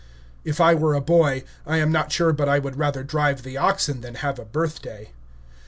If I were a boy, I am not sure but I would rather drive the oxen than have a birthday.